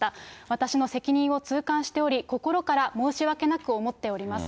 私の責任を痛感しており、心から申し訳なく思っております。